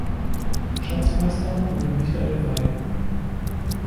Schatzmeister wurde Michael Wey.